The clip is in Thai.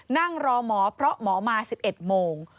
นั่งรอหมอเพราะหมอมา๑๑โมง